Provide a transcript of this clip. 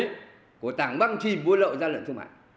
đấy của tảng băng chìm vui lợi ra lợi thương mại